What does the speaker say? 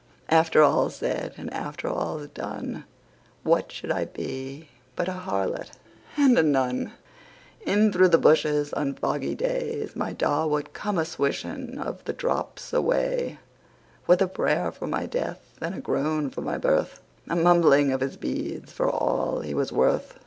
After all's said and after all's done, What should I be but a harlot and a nun? In through the bushes, on foggy days, My Da would come a swishing of the drops away, With a prayer for my death and a groan for my birth, A mumbling of his beads for all he was worth.